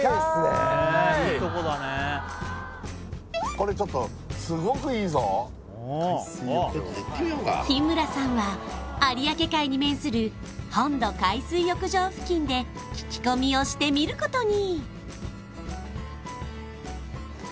これちょっとすごくいいぞ行ってみようか日村さんは有明海に面する本渡海水浴場付近で聞き込みをしてみることに！